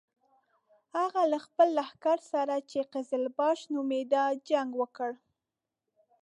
هغه له خپل لښکر سره چې قزلباش نومېده جنګ وکړ.